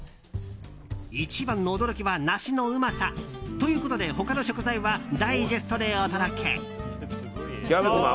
一番の驚きはナシのうまさ。ということで他の食材はダイジェストでお届け。